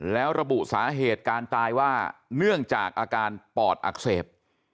แล้วระบุสาเหตุการตายว่าเนื่องจากอาการปอดอักเสบ